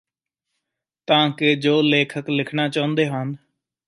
ਤਾਂ ਕੇ ਜੋ ਲੇਖਕ ਲਿੱਖਣਾ ਚਹੁੰਦੇ ਹਨ